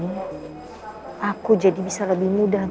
ya aku pernah lihat